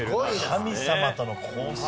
神様との交信。